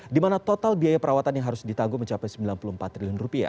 di mana total biaya perawatan yang harus ditangguh mencapai rp sembilan puluh empat triliun